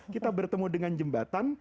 kita bertemu dengan jembatan